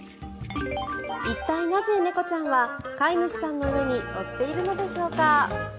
一体、なぜ猫ちゃんは飼い主さんの上に乗っているのでしょうか。